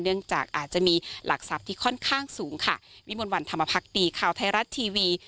เนื่องจากอาจจะมีหลักทรัพย์ที่ค่อนข้างสูงค่ะวิมวลวันธรรมพักดีข่าวไทยรัฐทีวี